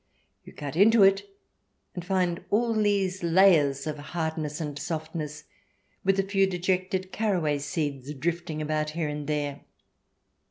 You cut into it and find all these layers of hardness and softness, with a few dejected carraway seeds drifting about here and there.